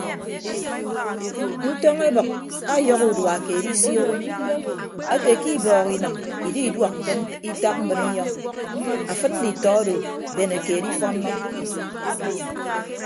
Ntọñ ebʌk ọyọhọ udua keed isioho ete ke ibọọk inịm ididuọk ke itak mbrinyọñ afịd nditọ odo bene keed ifọnnọ.